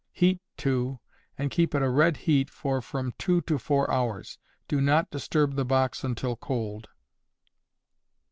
Heat to and keep at a red heat for from two to four hours. Do not disturb the box until cold.